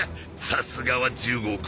さすがは１５億。